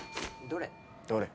どれ？